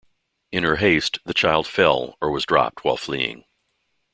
In her haste, the child fell, or was dropped while fleeing.